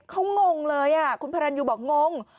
เขางงเลยคุณพระรันยูบอกงง